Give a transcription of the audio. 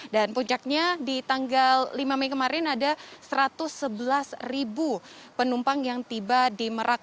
dan puncaknya di tanggal lima mei kemarin ada satu ratus sebelas ribu penumpang yang tiba di merak